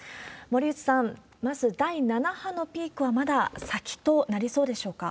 森内さん、まず第７波のピークはまだ先となりそうでしょうか。